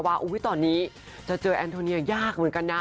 ว่าตอนนี้จะเจอแอนโทเนียยากเหมือนกันนะ